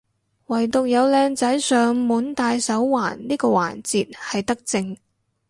惟獨有靚仔上門戴手環呢個環節係德政